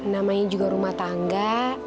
namanya juga rumah tangga